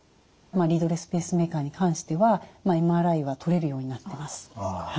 リードレスペースメーカーに関してはＭＲＩは撮れるようになってます。